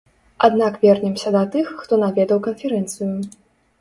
Аднак вернемся да тых, хто наведаў канферэнцыю.